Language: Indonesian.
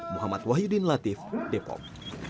muhammad wahyudin latif depok